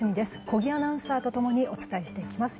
小木アナウンサーと共にお伝えしていきます。